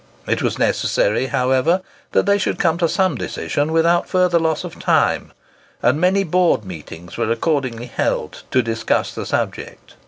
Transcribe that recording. It was necessary, however, that they should come to some decision without further loss of time; and many Board meetings were accordingly held to discuss the subject.